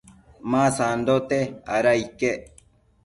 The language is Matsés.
ma sandote, ada iquec